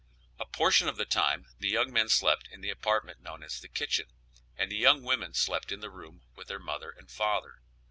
A portion of the time the young men slept in the apartment known as the kitchen, and the young women slept in the room with their mother and father.